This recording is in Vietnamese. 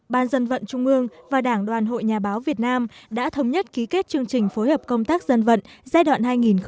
ban dân vận trung ương và đảng đoàn hội nhà báo việt nam đã thống nhất ký kết chương trình phối hợp công tác dân vận giai đoạn hai nghìn một mươi sáu hai nghìn hai mươi